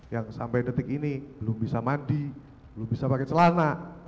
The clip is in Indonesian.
yang sampai detik ini belum bisa mandi belum bisa pakai celana